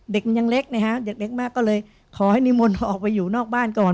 เด็กมันยังเล็กนะฮะเด็กเล็กมากก็เลยขอให้นิมนต์ออกไปอยู่นอกบ้านก่อน